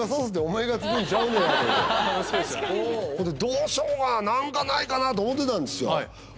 どうしようかなぁ何かないかなぁ思ってたんですよ。